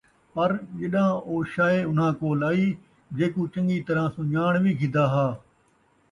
پر ڄَݙاں او شَئے اُنھاں کولھ آئی جیکوں چن٘ڳی طرح سُن٘ڄاݨ وِی گِھدّا ہا،